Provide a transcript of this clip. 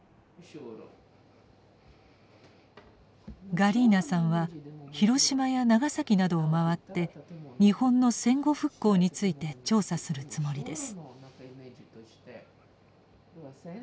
ガリーナさんは広島や長崎などを回って日本の戦後復興について調査するつもりです。